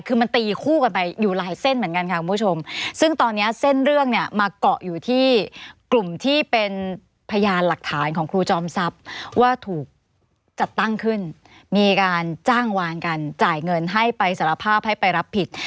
คือมันตีคู่กันไปอยู่หลายเส้นเหมือนกันค่ะคุณผู้ชมซึ่งตอนนี้เส้นเรื่องเนี่ยมาเกาะอยู่ที่กลุ่มที่เป็นพยานหลักฐานของครูจอมทรัพย์ว่าถูกจัดตั้งขึ้นมีการจ้างวานกันจ่ายเงินให้ไปสารภาพให้ไปรับผิด